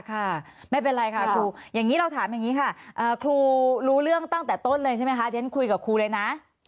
ค่ะไม่เป็นไรค่ะครูอย่างนี้เราถามอย่างนี้ค่ะครูรู้เรื่องตั้งแต่ต้นเลยใช่ไหมคะเดี๋ยวฉันคุยกับครูเลยนะ